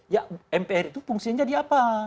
ya mpr itu fungsinya jadi apa